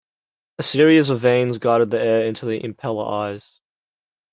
A series of vanes guided the air into the impeller eyes.